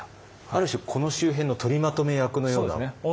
ある種この周辺の取りまとめ役のような。